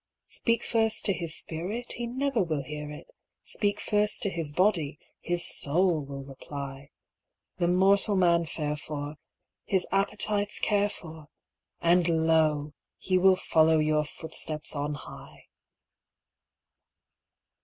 Speak first to his spirit, he never will hear it; Speak first to his body, his soul will reply; The mortal man fare for, his appetites care for, And lo! he will follow your footsteps on high.